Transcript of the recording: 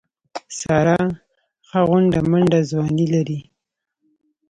ساره ښه غونډه منډه ځواني لري.